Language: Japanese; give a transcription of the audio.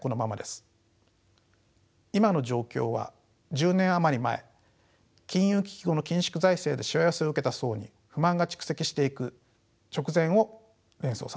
今の状況は１０年余り前金融危機後の緊縮財政でしわ寄せを受けた層に不満が蓄積していく直前を連想させます。